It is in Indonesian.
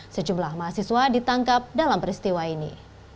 sejumlah mahasiswa ditangkap dalam peristiwa ini